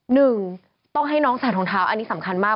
หนึ่งต้องให้น้องใส่รองเท้าอันนี้สำคัญมาก